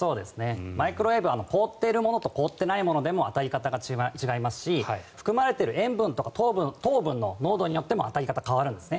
マイクロウェーブは凍っているものと凍っていないものでも当たり方が違いますし含まれている塩分、糖分の濃度によっても当たり方が変わるんですね。